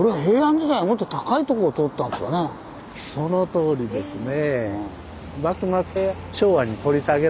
そのとおりですね。